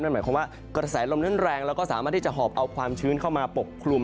หมายความว่ากระแสลมนั้นแรงแล้วก็สามารถที่จะหอบเอาความชื้นเข้ามาปกคลุม